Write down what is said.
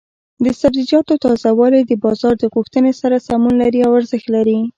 د سبزیجاتو تازه والي د بازار د غوښتنې سره سمون لري او ارزښت لري.